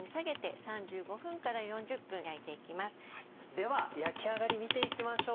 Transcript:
では焼き上がり見ていきましょう。